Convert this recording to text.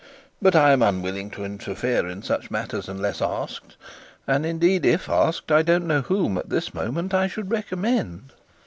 But I am unwilling to interfere in such matters unless asked. And indeed, if asked, I don't know whom, at this moment, I should recommend.'